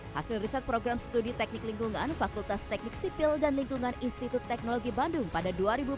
hasil riset program studi teknik lingkungan fakultas teknik sipil dan lingkungan institut teknologi bandung pada dua ribu empat belas